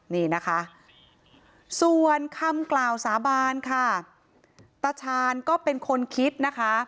นี่นะคะส่วนคำกล่าวสาบานค่ะตาชาญก็เป็นคนคิดนะคะ